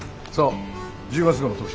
１０月号の特集でな。